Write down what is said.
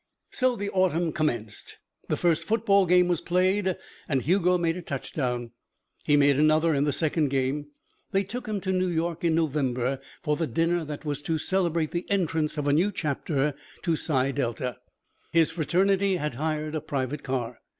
So the autumn commenced. The first football game was played and Hugo made a touchdown. He made another in the second game. They took him to New York in November for the dinner that was to celebrate the entrance of a new chapter to Psi Delta. His fraternity had hired a private car.